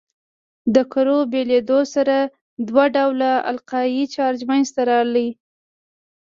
د کرو بېلېدو سره دوه ډوله القایي چارج منځ ته راځي.